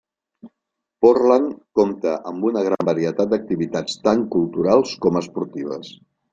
Portland compta amb una gran varietat d'activitats tant culturals com esportives.